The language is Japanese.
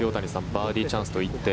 バーディーチャンスといって。